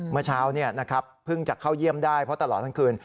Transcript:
เมื่อเช้าเพิ่งจะเข้าเยี่ยมได้เพราะตลอดทั้งคืน